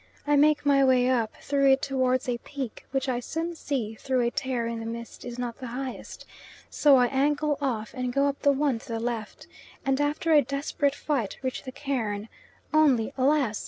I make my way up through it towards a peak which I soon see through a tear in the mist is not the highest, so I angle off and go up the one to the left, and after a desperate fight reach the cairn only, alas!